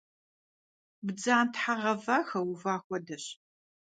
Бдзантхьэ гъэва хэува хуэдэщ.